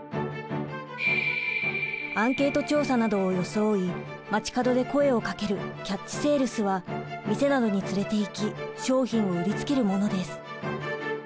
アンケート調査などを装い街角で声をかけるキャッチセールスは店などに連れていき商品を売りつけるものです。